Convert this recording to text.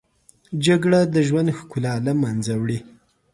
جګړه د ژوند ښکلا له منځه وړي